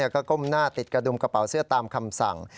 ก็ก้มหน้าติดกระดุมกระเป๋าเสื้อตามคำสั่ง